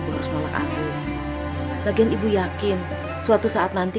kau takkan terganti